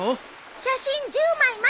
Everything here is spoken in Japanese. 写真１０枚まで。